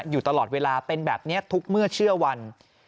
อยู่ตลอดเวลาเป็นแบบนี้ทุกเมื่อเชื่อวัน